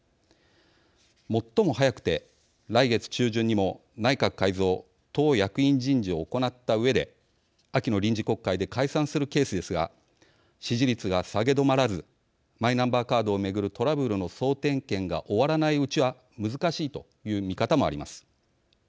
最も早くて、来月中旬にも内閣改造、党役員人事を行ったうえで秋の臨時国会で解散するケースですが支持率が下げ止まらずマイナンバーカードを巡るトラブルの総点検が終わらないうちは難しいという見方もあります。